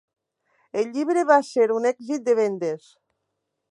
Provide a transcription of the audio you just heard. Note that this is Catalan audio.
El llibre va ser un èxit de vendes.